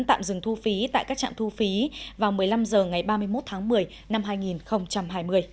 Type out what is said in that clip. tạm dừng thu phí tại các trạm thu phí vào một mươi năm h ngày ba mươi một tháng một mươi năm hai nghìn hai mươi